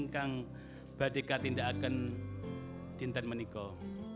yang berdekat tidak akan menikah